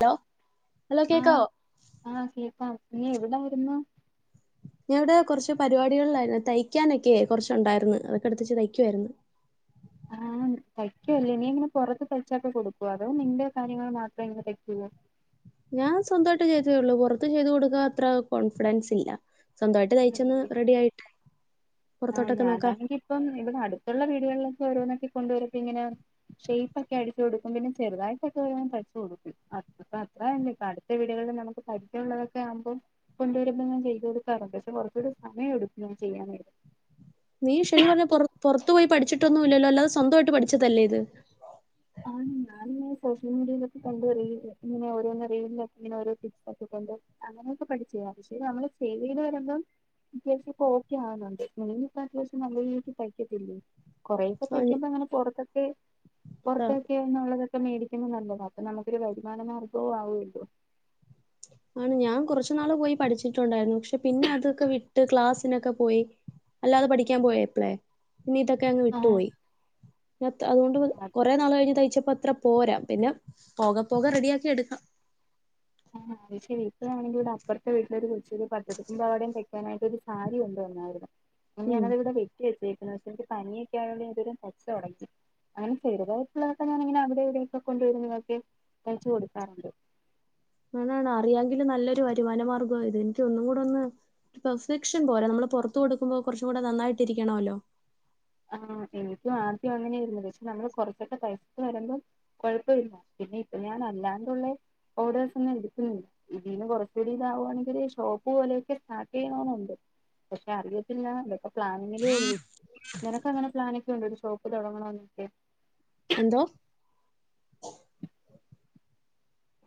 Hello hello ആഹ് കേക്കാവോ ആഹ് കേക്കാം നീ എവിടായ്രുന്നു ഞാൻ ദാ കൊറച്ച് പരിപാടികളിലാരുന്ന് തയ്ക്കാനെക്കെ കൊറച്ചൊണ്ടാരുന്ന് അതൊക്കെ എടുത്ത്വെച്ച് തയ്ക്കായിരുന്നു ആഹ് തയ്ക്കുവാല്ലേ നീ ഇങ്ങനെ പൊറത്ത് തയ്ച്ചക്കെ കൊടുക്ക്വോ അതോ നിന്റെ കാര്യങ്ങൾ മാത്രേ ഇങ്ങനെ തയ്ക്കുവോള്ളോ ഞാൻ സ്വന്തവായിട്ട് ചെയ്തതേള്ളൂ പൊറത്ത് ചെയ്തു കൊടുക്കാൻ അത്ര കോൺഫിഡൻസില്ല സ്വന്തയിട്ട് തയിച്ചൊന്ന് അങ്ങനെല്ലേ റെഡി ആയിട്ട് ആഹ് പുറത്തോട്ടൊക്കെ നോക്കാം ഞാനാണെങ്കിപ്പം ഇവിടെ അടുത്തൊള്ള വീടുകളിലൊക്കെ ഓരോന്നൊക്കെ കൊണ്ടുവരുമ്പിങ്ങനെ ഷേപ്പക്കെ അടിച്ച് കൊടുക്കും പിന്നെ ചെറുതായിട്ടെക്കൊരോന്ന് തച്ച് കൊടുക്കും അപ് പ്പത്രല്ലെ അടുത്ത വീടുകളിൽ വ്ടെ നമുക്ക് പര്ചള്ളതക്കെ ആമ്പേം കൊണ്ടുവരുമ്പോ ഞാൻ ചെയ്ത് കൊടുക്കാറുണ്ട് പക്ഷ കൊറച്ചൂടെ സമയെട്ക്കും ഞാൻ ചെയ്യാൻ അങ്ങനെട്ക്കും നീ ശെര്ക്ക് പറഞ്ഞ പൊറത് പൊറത്തുപോയ് പഠിച്ചിട്ടൊന്നുല്ലല്ലോ അല്ലാതെ സ്വന്തായിട്ട് പഠിച്ചതല്ലേ ഇത് ആഹ് ഞാനിങ്ങനെ സോഷ്യൽ മീഡിയയിലൊക്കെ കണ്ട് വരികയും ഇ ഇങ്ങനെ ഓരോന്ന് റീൽലൊക്കെ ഇങ്ങനെ ഓരോ ടിപ്പൊക്കെ ക ന്തോ അങ്ങനെയൊക്കെ പഠിച്ചയാ പക്ഷേ നമ്മള് സേവെയ്ത് വരുമ്പം അത്യാവശ്യംപ്പ ഓക്കെ ആന്നൊണ്ട് നിലവിലിപ്പ അത്യാവശ്യം നല്ല രീതിക്ക് തയ്ക്കത്തില്ലേ കൊറേക്കെ ആ, ഞ- തയ്ക്കുമ്പങ്ങനെ പൊറത്തൊക്കെ അതാ. പൊറത്തൊക്കെയന്നുള്ളത ക്ക മേടിക്കുമ്പ നല്ലതാ അപ്പൊ നമക്കൊര് വരുമാന മാർഗോം ആവല്ലോ ആണ് ഞാൻ കൊറച്ച്നാള്‌ പോയി പഠിച്ചിട്ടൊണ്ടാര്ന്നു പക്ഷെ പിന്നെ അതൊക്കെ വിട്ട് ക്ലാസ്സിനൊക്കെ പോയി അല്ലാതെ പഠിക്കാൻ പോയ എപ്പളെ പിന്നെ ഇതൊക്കെ അങ്ങ് വിട്ടുപോയി. അതുകൊണ്ട് അത് കൊറേ നാളായി ഞാൻ തയ്ച്ച് ഇപ്പൊ അത്ര പോരാ. പിന്നെ പോക പോക റെഡിയാക്കി എടുക്കാം ആഹ് അത് ശരി. ഇപ്പഴാണെങ്കിൽ താ അപ്പറത്തെ വീട്ടിലെ ഒരു [unintelligible] തെക്കാനായിട്ട് ഒരു സാരി കൊണ്ട് വന്നായിരുന്നു അന്ന് ഉം ഞാനത് ഇവിടെ വെട്ടി വെച്ചേക്ക്ണ്. പക്ഷെ എനിക്ക് പനിയൊക്കെ ആയതുകൊണ്ട് ഞാന് ഇതുവരെ തയ്ച്ച് [unintelligible] അങ്ങനെ ചെറുതായിട്ടുള്ളതൊക്കെ ഞാനിങ്ങനെ അവിടെവിടെയൊക്കെ കൊണ്ടുവരുന്നതൊക്കെ തയ്ച്ച് കൊടുക്കാറുണ്ട് അതാണ് അറിയെങ്കിൽ നല്ലൊരു വരുമാന മാർഗ്ഗാ ഇത്. എനിക്ക് ഒന്നും കൂടെ ഒന്ന് പെർഫെക്ഷൻ പോരാ നമ്മള് പുറത്ത് കൊടുക്കുമ്പോ കുറച്ചും കൂടെ നന്നായിട്ട് ഇരിക്കണോല്ലോ ആ എനിക്കും ആദ്യം അങ്ങനൊയിരുന്നു. പക്ഷെ നമ്മള് കൊറച്ചൊക്കെ തയ്ച്ച് വരുമ്പോം കുഴപ്പമില്ല പിന്നെ ഇപ്പ ഞാൻ അല്ലാണ്ടുള്ള ഓർഡേഴസ് ഒുന്നും ഞാൻ എടുക്കുന്നില്ല. ഇതിന്ന് കുറച്ചുകൂടി ഇതാവുകവാണെങ്കിൽ ഷോപ്പ് പോലെയൊക്കെ സ്റ്റാർട്ട് ചെയ്യണംന്നുണ്ട് പക്ഷെ അറിയത്തില്ല ഇതൊക്കെ പ്ലാനിങ്ങിലേ ഉള്ളൂ നിനക്ക് അങ്ങനെ പ്ലാന് ഒക്കെയുണ്ടോ ഒരു ഷോപ്പ് തുടങ്ങണം എന്നൊക്കെ എന്തോ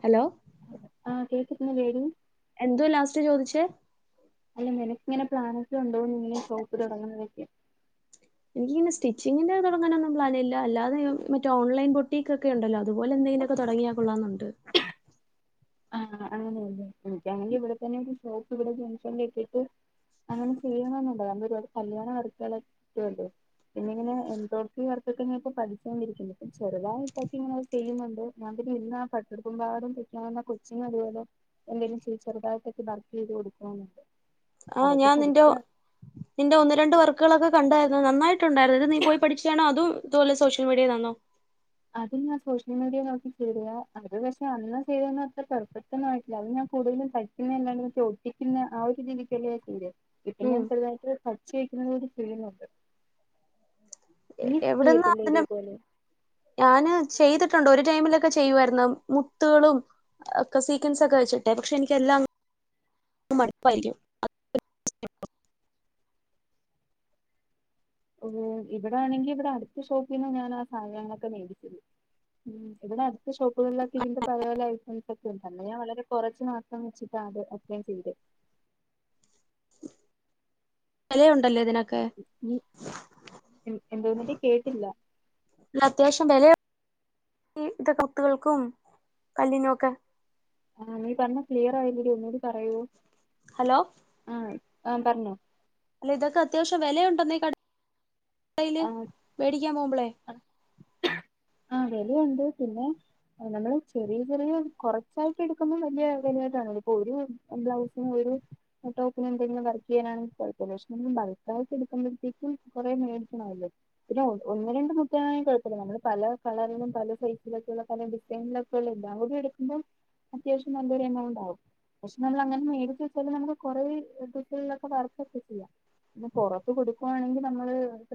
ഹലോ ആഹ് കേക്കുന്നില്ലേ ടീ എന്തോ ലാസ്റ്റ് ചോദിച്ചേ അല്ല നിനക്കിങ്ങനെ പ്ലാനൊക്കെ ഉണ്ടോ ഇങ്ങനെ ഷോപ്പ് തുടങ്ങുന്നയൊക്കെ എനിക്കിങ്ങനെ സ്റ്റിച്ചിങ്ങിന്റെ ഇത് തുടങ്ങാനൊന്നും പ്ലാനില്ല. അല്ലാതെ മറ്റേ ഓൺലൈൻ ബൊട്ടീക് ഒക്കെ ഉണ്ടല്ലോ അതുപോലൊന്ന് [unintelligible] തുടങ്ങിയ കൊള്ളാന്നുണ്ട് [inaudible] ആ അങ്ങനെയല്ലെ. ഉം വേണെങ്കി ഇവിടെ തന്നെ ഒരു ഷോപ്പ് ഇവിടെ ജംഗ്ഷനിൽ ഇട്ടിട്ട് അങ്ങനെ ചെയ്യണെന്നുണ്ട്. നമ്മള് ഒരു പാട് കല്യാണ വർക്കുകളൊക്കെ കിട്ടോല്ലോ പിന്നെ ഇങ്ങനെ [unintelligible] വർക്കൊക്കെ ഇങ്ങനൊക്കെ പഠിച്ചുകൊണ്ടിരിക്കുന്നുണ്ട്. ഇപ്പൊ ചെറുതായിട്ടൊക്ക ഇങ്ങനെ ചെയ്യുന്നുണ്ട് ഞാൻ [unintelligible] സ്റ്റിച്ചിങ് അതുപോലെ എന്തെങ്കിലും ചെ ചെറുതായിട്ടൊക്കെ വർക്ക് ചെയ്ത് കൊടുക്കാനൊക്കെ ആഹ് ഞാൻ നിന്റെ നിന്റെ ഒന്ന് രണ്ട് വർക്കുകളൊക്കെ കണ്ടാരുന്നു നന്നായിട്ടുണ്ടായിരുന്നു. അത് നീ പോയി പഠിചതാണോ അതോ ഇതുപോലെ സോഷ്യൽ മീഡിയയിൽ നിന്നാണോ അത് ഞാൻ സോഷ്യൽ മീഡിയയി ൽ നോക്കി ചെയ്തതാ. അത് പക്ഷെ അന്ന് ചെയ്തതൊന്നും അത്ര പെർഫെക്ട് ഒന്നും ആയിട്ടില്ല. അത് ഞാൻ കൂടുതലും തയ്ക്കുന്നയല്ലാണ്ട് ഒട്ടിക്കുന്ന ആ ഒരു രീതിക്കല്ലേ ചെയ്ത് ഇപ്പൊ ഞാൻ ഉം ചെറുതായിട്ട് പഠിച്ച് [unintelligible] ഒരു ഫീലുണ്ട് ഇനി എവിടെന്നാ ചെയ്യത്തില്ലേ അതിന്റെ ഇതേപോലെ ഞാന് ചെയ്തിട്ടുണ്ട്. ഒരു ടൈമിലൊക്കെ ചെയ്യുവായിരുന്നു. മുത്തുകളും ഒക്കെ സീക്വൻസ് ഒക്കെ വെച്ചിട്ടെ. പക്ഷെ എനിക്ക് എല്ലാം മടുപ്പായിരിക്കും [inaudible] [unintelligible] ഇവിടൊണെങ്കി ഇവിടെ അടുത്ത ഷോപ്പിൽ നിന്ന് ഞാൻ ആ സാധനങ്ങളൊക്കെ മേടിച്ചത് ഉം ഇവിടെ അടുത്ത ഷോപ്പുകളിലൊക്കെ ഇതിന്റെ പല പല ഐറ്റംസ് ഒക്കെ ഉണ്ട്. അന്ന് ഞാൻ വളരെ കുറച്ച് മാത്രം വെച്ചിട്ടാ അത് ഒക്കെ ഞാൻ ചെയ്ത് വിലയുണ്ടല്ലേ ഇതിനൊക്കെ ഉം എന്തോന്നെടീ കേട്ടില്ല ഈ മുത്തുകൾക്കും കല്ലിനൊക്കെ ആഹ് നീ പറഞ്ഞത് ക്ലിയർ ആയില്ലെടീ ഒന്നൂടി പറയോ ഹലോ ആഹ് പറഞ്ഞോ അല്ല ഇതൊക്കെ അത്യാവശ്യം വിലയുണന്ന കടയില് മേടിക്കാൻ പോുമ്പളെ [inaudible] ആഹ് വിലയുണ്ട് പിന്നെ നമ്മള് ചെറിയ ചെറിയ കുറച്ചായിട്ട് എടുക്കുമ്പോ വലിയ വെലയായിട്ട് [unintelligible] ഒരു ബ്ലൗസിനും ഒരു ടോപ്പിനും എന്തെങ്കിലും വർക്ക് ചെയ്യാനാണെങ്കി കുഴപ്പം ല്ല. പക്ഷെ [unintelligible] എടുക്കുമ്പത്തേക്കും കുറെ മേടിക്കണം അല്ലോ. പിന്നെ ഒന്ന് രണ്ട് [unintelligible] കുഴപ്പല്ല. നമ്മള് പല കളർലും പല സൈസിലൊക്കെള്ള പല ഡിസൈൻലൊക്കെള്ള ഏല്ലാകൂടി എടുക്കുമ്പോ അത്യാവശ്യം നല്ലെരൊമൌണ്ട് ആകും പഷ്നംളങ്ങനെമേടിച്ച് വെച്ചാലും നമക്ക്കൊറേ [unintelligible] - പിന്നെപൊറത്ത് കൊടുക്കുവാണെങ്കി നമ്മള്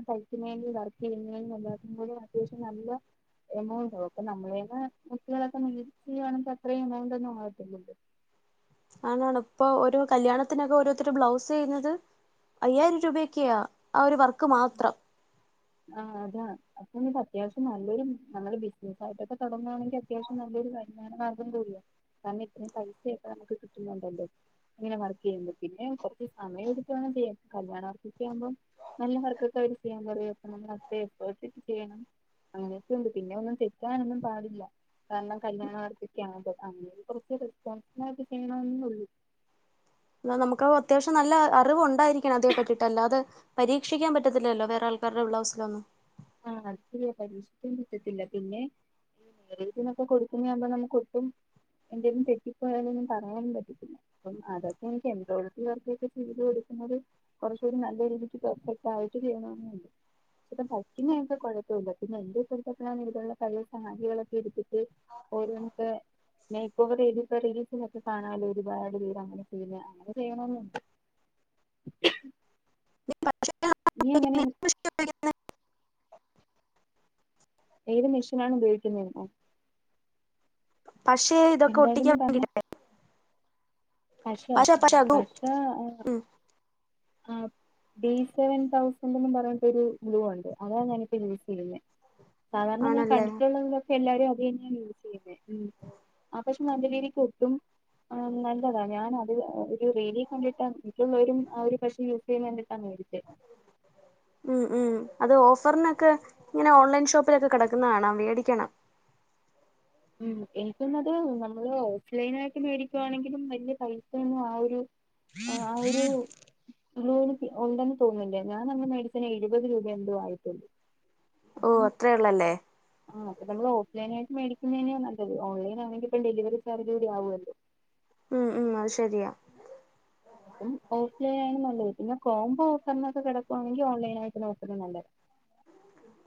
തയ്ക്കുന്നേന്റം വർക്കെയ്യുന്നേനു എല്ലാത്തിനുങ്കൂടി അത്യാവശ്യംനല്ല എമൗണ്ടാവും അപ്പ നമ്മളെയ്ന്നെ [unintelligible] ചെയ്യുവാണെങ്കി അത്രേം എമൗണ്ടൊന്നു ആവത്തില്ലല്ലോ ആണാണ് ഇപ്പൊ ഒരു കല്യാണത്തിനൊക്കെ ഓരോത്തര് ബ്ലൗസെയ്യുന്നത് അയ്യായിരം രൂപയ്ക്ക്യാ ആ ഒരു വർക്ക് മാത്രം ആഹ് അതാ അപ്പനി അത്യാവശ്യം നല്ലൊരു നമ്മള് ബിസിനസ്സായിട്ടൊക്കെ തൊടങ്ങുവാണെങ്കി അത്യാവശ്യം നല്ലൊ രു വരുമാനമാർഗ്ഗംകൂടിയ കാര്ണം ഇത്രേം പൈസയൊക്കെ നമുക്ക് കിട്ടുന്നൊണ്ടല്ലോ ഇങ്ങനെവർക്കേയ്യുന്നത് പിന്നെ കൊർച്ച് സമയം എടുത്തുവേണം ചെയ്യാൻ കല്യാണ വർക്കൊക്കെ ആവുമ്പോ നല്ല വർ ക്കക്കെ എവര് ചെയ്യാൻ പറയും അപ്പനമ്മൾ അത്രേം എഫേർടിട്ട് ചെയ്യണം അങ്ങനൊക്കെയുണ്ട് പിന്നെ ഒന്നും തെറ്റാനൊന്നും പാടില്ല കാര്ണം കല്യാണവർകൊക്ക്യാവുമ്പൊ അങ്ങനെ കൊർച്ച് റെസ്പോൺസിബിളായിട്ട് ചെയ്യണോന്നെ ഒള്ളു എന്നാ നമുക്ക് അത്യാവശ്യം നല്ല അറിവ് ഒണ്ടായിരിക്കണം അതിനെ പറ്റീട്ട് അല്ലാതെ പരീക്ഷിക്കാൻ പറ്റാത്തില്ലല്ലോ വേറാൾ ര്ടെ ബ്ലൗസിലൊന്നും [unintelligible] പരീക്ഷിക്കാൻ പറ്റത്തില്ല പിന്നെ [unintelligible] കൊടുക്കുന്നയാമ്പൊ നമുക്ക് ഒട്ടും എന്തേലും തെറ്റിപ്പോയാലൊന്നും പറയാനും പറ്റത്തില്ല അപ്പം അതൊക്കെ എനിക്ക് എമ്പ്രോയ്ടറി വർക്കൊക്കെ ചെയ്ത് കൊട്- കൂടി കുർച്ചൂടി നല്ല രീതിക്ക് പെർഫെക്ട് ആയിട്ട് ചെയ്യണോന്നുണ്ട് [unintelligible] പിന്നെ എക്കെ കുഴപ്പില്ല പിന്നെ എന്റെ [unintelligible] പഴേസാരികളൊക്കെ എടുത്തിട്ട് ഓരോന്നക്കെ മേക്ക്ഓവറെയ്തിപ്പൊ റീൽസിനെക്കെ കാണാലൊ ഒരുപാട് പേര് അങ്ങനെ ചെയ്യുന്ന അങ്ങനെ ചെയ്യണോന്നൊണ്ട് ഇനിയങ്ങനെങ്ങ- ഏത് മെഷിനാണ് ഉപയോയിക്കുന്നേന്നൊ പശേ ഇതൊക്കെ എന്തായാലും ഒട്ടിക്കാൻ നീ പറഞ്ഞെ [unintelligible] പശ പക്ഷെ ആഹ് പക്ഷെ അതു പശ ഉം ആഹ് ഡി സെവൻ തൗസന്റെന്ന് പറഞ്ഞിട്ടരു ഗ്ലൂ ഉണ്ട് അതാഞാനിപ്പൊ യൂസെയ്യുന്നെ സാധാരണ ഞാൻ ആണല്ലേ കണ്ടിട്ടുള്ള എല്ലാരും അത് തെന്നെയ യൂസെയ്ന്നെ ഉം ആ പക്ഷെ നല്ല രീതിക്കൊട്ടും നല്ലതാ ഞാൻ അത് ഒരു റീലി കണ്ടിട്ടാ [unintelligible] ആ ഒരു പശ യൂസെയ്ണെ കണ്ടി ഉം ഉം അത് ഓഫർനൊക്കെ ഇങ്ങനെ ഓൺലൈൻ ഷോപ്പിലൊക്കെ കെടക്കന്നകാണം മേടിക്കണം ഉം എനിക്കൊന്നത് നമ്മള് ഓഫ്ലൈനായിട്ട് മേടിക്കുവാണെങ്കിലും വെല്യെ പൈസയൊന്നും ആവൊര് ആഹ് ആഒരു കുലോലിറ്റി ഒണ്ടെന്ന് തോന്നില്ലേ ഞാനന്ന് മേടിച്ചേന് എഴുപത് രൂപേന്തോ ആയിട്ടുള്ളൂ ഓ അപ്പം അത്രേള്ളല്ലേ ആഹ് അപ്പനമ്മളോ ൺലൈനായിട്ട് മേടിക്കുന്നേന്ന്യ നല്ലത് ഓൺലൈൻ ആണെങ്കിപ്പം ഡെലിവറി ചാർജ് കൂടി ആവൂല്ലോ ഉം ഉം അത് ശെരിയാ അപ്പം ഓഫ്ലൈനായാലും നല്ലത് കിട്ടും ഞാൻ കോംബോ ഓഫർനൊക്കെ കെടക്കുവാണെങ്കി ഓൺലൈൻ ആയിട്ട് നോക്കുന്നെ നല്ല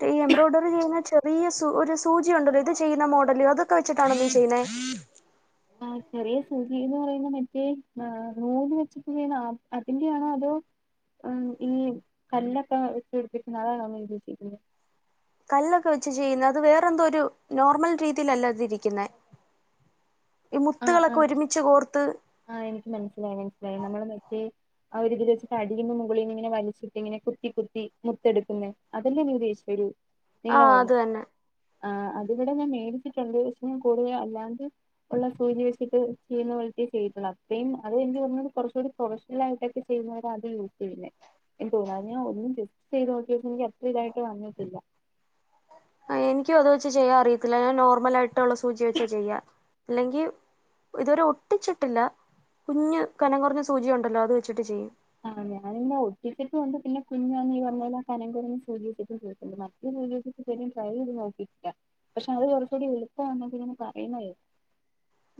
ഈ എംബ്രോയ്ഡറിചെയ്യുന്ന ചെറിയസ് ഒരു സൂചിയൊണ്ടല്ലോ ഇത് ചെയ്യുന്ന മോഡല് അതൊക്കെ വെച്ചിട്ടാണോനി ചെയ്യുന്നേ ആഹ് ചെറിയ സൂചീന്ന് പറയുന്ന മറ്റേ ആഹ് നൂല് വെച്ചിട്ട് ചെയ്യുന്ന അതിന്റെയാണോതോ ഉം ഈ കല്ലൊക്കെ വെച്ചുടിപ്പിക്കുന്ന അതാണൊനി ഉദ്ദേശിക്കുന്നെ കല്ലൊക്കെ വെച്ച് ചെയ്യുന്ന അത് വേറെ എന്തോ ഒരു നോർമൽ രീതീലല്ലതിരിക്കുന്നേ ആഹ് ആഹ് കോർത്ത് ആഹ് എനിക്ക് മനസ്സിലായ് മനസിലായ് നമ്മള് മറ്റേ അവര് ഇതില് വെച്ച് അടിന്നും മുകളീന്നുങ്ങനെ വലിച്ചിട്ട് ഇങ്ങനെ കുത്തി കുത്തി മുത്തെടുക്കുന്നെ അതല്ലേനി ഉദ്ദേശിച്ചെ ഒരൂ ആഹ് അത് തന്നെ ആഹ് അതിവിടെ ഞാൻ മേടിച്ചിട്ടൊണ്ട് ഷെ ഞാകൂടുതലു അല്ലാണ്ട് ഉള്ള സൂചി വെച്ചിട്ട് ചെയ്യുന്ന പോലത്തേ ചെയ്ട്ടുള്ളൂ അപ്പേയും അത് എനിക്ക് കുറച്ചുകൂടി പ്രൊഫഷണൽ ആയിട്ടൊക്കെ ചെയ്യ അത് യൂസ് ചെയ്യേ എനിക്ക് തോന്നുന്നു അത് ഞാൻ ഒന്നും ജസ്റ്റ് ചെയ്ത് നോക്കിയപ്പോ എനിക്ക് അത്ര ഇതായിട്ട് വന്നിട്ടില്ല എനിക്കും അത് വെച്ച് ചെയ്യാ അറിയത്തില്ല ഞാൻ നോർമലാ ആയിട്ടുള്ള സൂചി വെച്ചാ ചെയ്യാ അല്ലെങ്കി ഇതുവരെ ഒട്ടിച്ചിട്ട്ല്ല കുഞ്ഞ് കനം കുറഞ്ഞ സൂചി ഉണ്ടല്ലോ അത് വെച്ചിട്ട് ചെയ്യും. ആഹ് ഞാന് പിന്നെ ഒട്ടിച്ചിട്ടുണ്ട് പിന്നെ കുഞ്ഞന്ന് നീ പറഞ്ഞ പോലെ കനം കുറ സൂജി ഇട്ട്ട്ട്ണ്ട് മറ്റെ സൂജി വെച്ച് ട്രൈ ചെയ്ത് നോക്കി ല്ല പക്ഷെ അത് കോറച്ചൂടി എള്പ്പാ ന്നൊക്കെ പറയ്ണോ കേക്കാ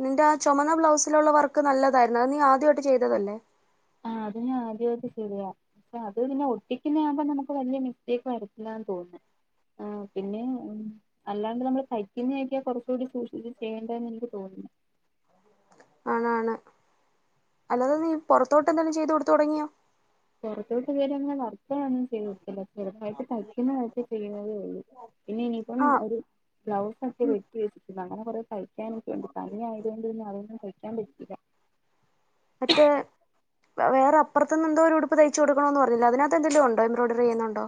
നിന്റെ ആ ചോമന്ന ബ്ലൗസിലുള്ള വർക്ക് നല്ലതായിരുന്നു അത് നീ ആദ്യമായിട്ട് ചെയ്തതല്ലേ? ആഹ് അത് ഞാൻ ആദ്യയിട്ട് ചെയ്തതാ അത് പിന്നെ ഒട്ടിക്കുന്ന ആകുമ്പോ നമുക്ക് വല്യ മിസ്റ്റേക്ക് വരത്തില്ല തോന്നെ ആ പിന്നെ അല്ലാണ്ട് നമ്മള് തയ്ക്കുന്ന കഴ്ക്കാ കുറച്ചുടി സൂക്ഷിച്ച് ചെയ്യേണ്ട ആണാണ് അല്ലാതെ നീ പോറത്തോട്ട് എന്തേലും ചെയ്ത് കൊടുത്ത് തുടങ്ങിയോ പോറത്തോട്ട് [unintelligible] ഇപ്പ ഞാൻ ഒന്നും ചെയ്ത് കൊട്ത്തില്ല ചെറുപ്പായിട്ട് തയ്ക്കുന്നതായിട്ട് ചെയ്യുന്നതെ ഒള്ളൂ പിന്നെ ഇനിയിപ്പം ആ ഒരു ബ്ലൗസ് ഒക്കെ ഉം. വെട്ടി വെച്ചിരിക്കുന്നു അങ്ങനെ കോറെ തഴ്ക്കാനൊക്കെ ഉണ്ട് പനി ആയതു കൊണ്ട് അതൊന്നും തഴിക്കാൻ പറ്റില്ല അത്ത് വേറെ അപ്പർത്ത്ന്ന് എന്തോ ഒരു ഉടുപ്പ് തയ്ച്ച് കൊടുക്കണോന്ന് പറഞ്ഞില്ലേ അതിനകത്ത് എന്തെലും ഉണ്ടോ എംബ്രോഡറി ചെയ്യുന്നുണ്ടോ?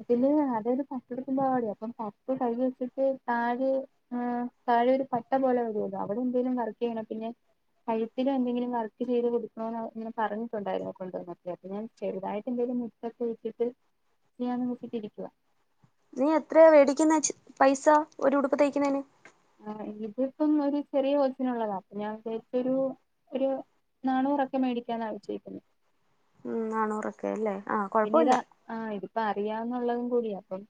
അതില് അതായത് പാട്ടുടുപ്പിന്റെ പാവാട അപ്പം കർപ്പ് കൈ വെച്ചിട്ട് താഴെ ഹ് താഴെ ഒരു പട്ട പോലെ വരോലോ അവിടെ എന്തെലും വർക്ക് ചെയ്യണം പിന്നെ കഴുത്തിലും എന്തെങ്കിലും വർക്ക് ചെയ്ത് കൊടുക്കണോന്ന് പറഞ്ഞിട്ടുണ്ടായിരുന്നു കൊണ്ടു വന്നപ്പളെ അത് ഞാൻ ചെറുതായിട്ട് എന്തെ [unintelligible] നീ എത്രയാ മേടിക്കുന്നെ പൈസ ഒരു ഉടുപ്പ് തയ്ക്കുന്നതിന് ആ ഇതിപ്പം ഒരു ചെറിയ [unintelligible] ള്ളതാ അപ്പ ഞാൻ വിചാരിച്ചു ഒരു ഒര് നാണൂറൊക്കെ മേടിക്കാന്നാ വെച്ചേക്കുന്നേ ഉം നാണൂറൊക്കെ അല്ലേ. ആ പിന്നെ ഇത് കുഴപ്പമില്ല ആഹ് ഇതിപ്പോ അറിയാവന്നുള്ളതും കൂടിയാ അപ്പം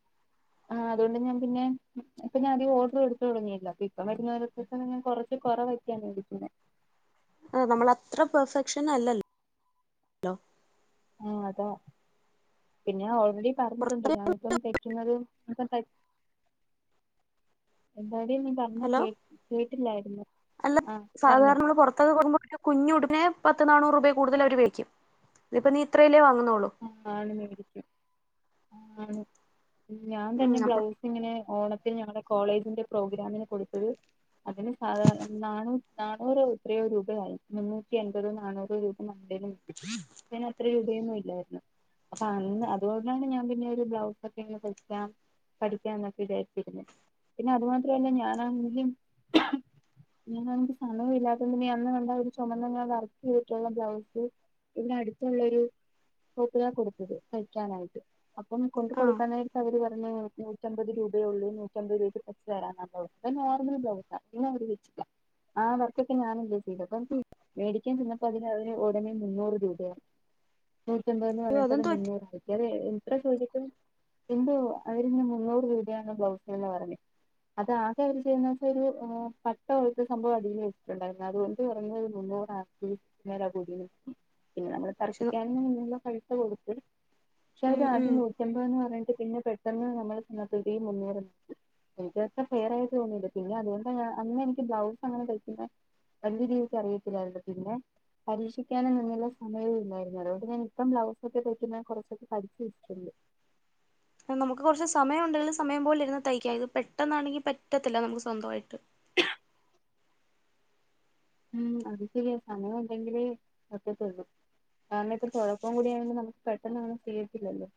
ആഹ് അതുകൊണ്ട് ഞാൻ പിന്നെ ഇപ്പൊ ഞാൻ അധിക ഓർഡർ എടുതുടങ്ങില്ല അപ്പ ഇപ്പ വരുന്ന കുറച്ച് കുറവക്കാ മേടിക്കുനേ അഹ് നമ്മൾ അത്ര പെർഫെക്ഷൻ അല്ല ല്ലോ അഹ് അതാ പിന്നെ ഓൾറെഡി പറഞ്ഞിട്ടുണ്ട് പുറത്ത് ഞാനിപ്പം തെക്കുന്നത് [unintelligible] എടി നീ പറഞ്ഞ ഹലോ കേ കേട്ടില്ലായിരുന്നു അല്ല ആ പറഞ്ഞോ സാധാരണ നമ്മള് പുറത്തൊക്കെ പോകുമ്പോ [inaudible] കുഞ്ഞു ഉടുനെ പത്ത് നാനൂറ് രൂപ കൂടുതൽ അവര് വേക്കും ഇതിപ്പ നീ ഇത്രയിലേ വാങ്ങ അഹ് ആണ് [inaudible] അഹ് ണ് ഞാൻ ഉം തന്നെ നമ്മൾ ബ്ലൗസ് ഇങ്ങനെ ഓണത്തിന് ഞങ്ങളുടെ കോളേജിന്റെ പ്രോഗ്രാമിന് കൊടുത്ത അതിന് സാധാര നാണ് നാണുറോ എത്രയോ രൂപയായി മുന്നൂറ്റി എൺപത നാനൂറ് രൂപ [unintelligible] അത്ര രൂപയൊന്നും ഇല്ലയി [unintelligible] അപ്പൊ അന്ന് അതുകൊണ്ടാണ് ഞാൻ പിന്നെ ഒരു ബ്ലൗസ് ഒക്കെ ഇങ്ങനെ തയ്ക്കാം പഠിക്കൻന്നൊക്കെ വിചാരിച്ചിരുന്നു പിന്നെ അതു മാത്രല്ല ഞാനാങ്കും [unintelligible] സമയം ഇല്ലാത്ത നീ അന്ന് കണ്ട ഒരു ചുമന്ന ഞാൻ വർക്ക് ചെയ്തിട്ടുള്ള ബ്ലൗസ് പിന്ന അടുത്തൊള്ളരു [unintelligible] കൊടുത്തത് തായ്ക്കാനായിട്ട് അപ്പൊ കൊണ്ട് ആ കൊടുക്കാൻ നേരത്ത് അവര് പറ അന്ന് നൂറ്റമ്പത് രൂപയള്ളൂ നൂറ്റമ്പത് രൂപയ്ക്ക് [unintelligible] തരാന്ന ബ്ലൗസ് നോർമൽ ബ്ലൗസ് [unintelligible] ആഹ് വർക്കൊക്കെ ഞാന പ്പം മേടിക്കാൻ ചെന്നപ്പോ അതിന്ന് ഉടനെ മുന്നൂറ് രൂപയാണ് നൂർ ചമ്പ അയ്യോ വരട്ട അതെന്ത് പറ്റി? നിന്നവർ ആക്കേ എത്ര ചോദി് എന്ത അതി മുന്നൂറ് രൂപയാണ് ബ്ലൗസ് എന്ന് പറഞ്ഞത് അതാകെ അവര് ചെയ്യുന്നച്ച ഒരു പട്ടത്ത സംഭവം അടിു വെച്ചിട്ടുണ്ടായിരുന്നു അതുകൊണ്ട് പറഞ്ഞ മുന്ന കന്നെ ന [inaudible] പക്ഷെ, ക നില്ല കഴു കൊടുത്ത് പക്ഷെ അവത് ഉം ഉം ആദ്യം നൂറ്റമ്പ എന്ന് പറഞ്ഞിട്ട് പിന്നെ പെട്ടെന്ന് നമ്മള് സൃതിയും മുന്നേറുന്നു എനിക്ക് ഫെയർ ആ തോന്നിേ പിന്നെ അതുകൊണ്ട് അന്ന എനിക്ക് ബ്ലൗസ് അങ്ങനെ കഴിക്കുന്ന വലിയ രീതിക്ക് അറിയത്തില്ലായിരുന്നു പിന്നെ പരീക്ഷിക്കാനൻ നിന്നുള്ള സമയവും ഇല്ലായിരുന്നു അതോൊണ്ട് ഞാൻ ഇപ്പം ബ്ലൗസ് ഒക്കെ കഴിക്ക കുറച്ചൊക്കെ പഠിച്ചു ഇഷ്ടമുണ്ട് നമുക്ക് കുറച്ച് സമയം ഉണ്ടെങ്കിൽ സമയം പോല ഇരന്ന് തയ്ക്ക ഇത് പെട്ടെന്നാണെങ്കിൽ പറ്റത്തില്ല നമുക്ക് സ്വന്തമായിട്ട് [inaudible] ഉം അത് ശരിയാ സമയമുണ്ടെങ്കില് പറ്റത്തൊള്ളൂ ആമ്മയൊക്ക കുഴപ്പം കൂടിയണിൽ നമുക്ക് പെട്ടെന്ന്ും ചെയ്യത്തില്ലല്ലോ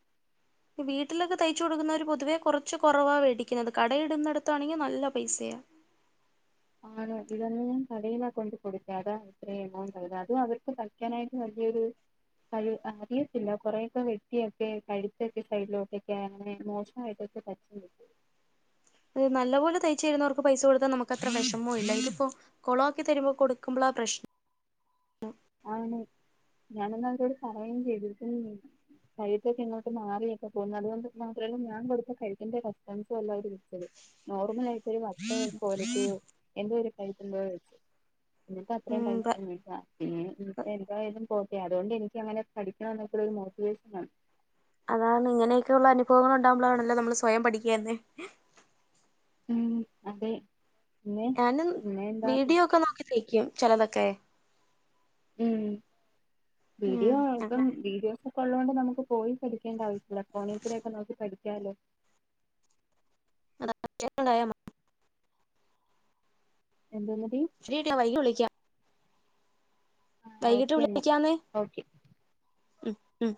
വീട്ടിലൊക്കെ തയ്ച്ചു കൊടുക്കുന്നവര് പൊതുവേ കുറച്ച് കുറവാാണ് മേടിക്കുന്നത് കടയിടുന്നിടത്താണെങ്കിൽ നല്ല പൈസയാ [inaudible] ആണോ ഇതൊന്നന്ന് ഞാൻ കട യുുന്ന കൊണ്ടണ്ട് കൊടുക്ക അതാ ഇത്രയും എമൗണ്ട് ആരുന്നു അതും അവർക്ക് പയ്ക്കാനായിട്ട് വലിയ ഉം കഴ അറിയത്തില്ല കുറെൊക്കെ വെട്ടിയൊക്കെ കഴുത്തൊക്കെ സൈഡിലോട്ടൊക്കെ അങ്ങനെ മോശമായിട്ട പച്ച അത് നല്ല പോലെ തയ്ച്ച തരുന്നവർക്ക് പൈസ കൊടുത്താ നമുക്ക്ത്ര വിഷമോ ഇല്ല ഇതിയിപ്പോ കുളംക്കി തരുമ്പോ കൊടുക്കുമ്പോ പ്രശ്ന ഉം ഞാനൊന്ന അതോട് പറയുകയും ചെയ്തിക്കുന്ന കഴത്തൊക്കെ ഇങ്ങോട്ട് മാറിയൊക്കെ പോകുന്നത് അതുകൊണ്ട് മാത്രല്ല ഞാൻ കൊടുത്ത കഴത്തിന്റെ കസ്റ്റൻസുംല്ലോ അവര് വിളിച്ചത് നോർമൽ ആയിട്ട് ഒരു വത്ത പോലത്തെെയോ എന്ത കൈ വ നിക്ക് അത്രയും ഉം പൈസട്ട എനക്ക്ായാലും കോട്ട അതൊണ്ട് എനിക്ക് അങ്ങനെ പഠിക്കണം എന്നൊക്ക ഒരു മോട്ടിവേഷൻണ് അതാണ് ഇങ്ങനെയൊക്കെയ ഉള്ള അനുഭവങ്ങൾ ഉണ്ടാവുമ്പോാണല്ലോ നമ്മള് സ്വയം പഠിക്കുകന്നെ ഉം അതെ പിന്നെ ഞാന് പിന്നെ എന്താ വീഡിയോ ഒക്കെ നോക്കി തേക്കും ചിലതൊക്കെ ഉം ഉം വീഡിയോപ്പം വീഡി ഒക്കെ ഉള്ളത കൊണ്ട് നമുക്ക് പോയി പഠിക്കേണ്ട ആവശ്യമല്ല ഫോണി കൂടെൊക്കെ നോക്കി പഠിക്കാലോ [inaudible] അതണ്ടായ [inaudible] എന്തുന്നടി ഫ്രീ വൈകി വിളിക്കാം വൈകിട്ട് ഓക്കെ എന്നാ വിളിക്കാന്നേ ഓക്കെ ഉ ഉം